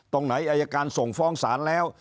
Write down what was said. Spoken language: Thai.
ตรงไหนอายการส่งฟ้องศาลแล้ว